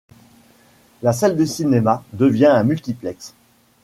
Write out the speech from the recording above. La salle de cinéma devient un multiplexe.